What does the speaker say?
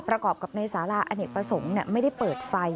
ประกอบกับในสาราอเนกประสงค์ไม่ได้เปิดไฟ